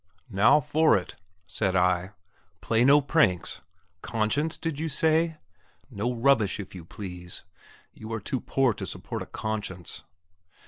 Now for it! said I. Play no pranks. Conscience, did you say? No rubbish, if you please. You are too poor to support a conscience.